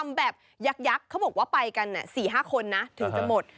แบบยักษ์เขาบอกว่าไปกัน๔๕คนนะถึงจะหมด